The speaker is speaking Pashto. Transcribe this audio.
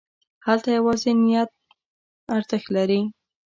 هلته یوازې نیت ارزښت لري.